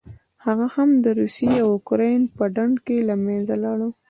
هغه هم د روسیې او اوکراین په ډنډ کې له منځه لاړه.